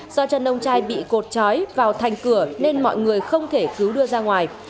do chân ông trai bị cột trói vào thành cửa nên mọi người không thể cứu đưa ra ngoài